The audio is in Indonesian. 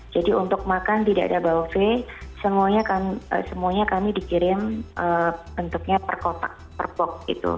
untuk makan tidak ada buffe semuanya kami dikirim bentuknya per kotak per box gitu